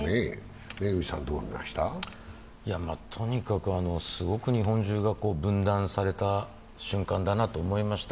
とにかくすごく日本中が分断された瞬間だなと思いました。